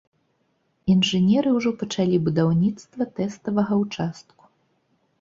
Інжынеры ўжо пачалі будаўніцтва тэставага ўчастку.